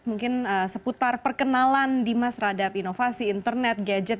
mungkin seputar perkenalan dimas terhadap inovasi internet gadget